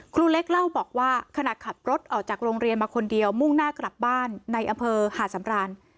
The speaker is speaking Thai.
ครูเล็กเล่าบอกว่าขณะขับรถออกจากโรงเรียนมาคนเดียวมุ่งหน้ากลับบ้านในอำเภอหาดสำราน